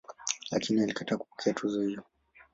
Lakini alikataa kupokea tuzo hiyo.